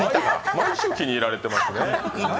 毎週気に入られてますね。